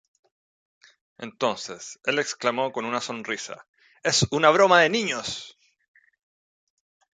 Entonces, el exclamó con una sonrisa: ‘¡Es una broma de niños!